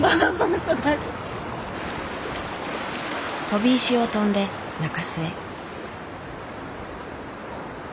とび石を飛んで中州へ。